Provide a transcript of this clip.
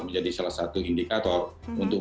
menjadi salah satu indikator untuk